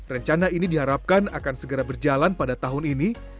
rencana ini diharapkan akan segera berjalan pada tahun ini